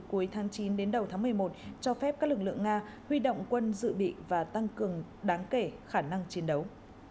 cuối tháng chín đến đầu tháng một mươi một cho phép các lực lượng nga huy động quân dự bị và tăng cường đáng kể khả năng chiến đấu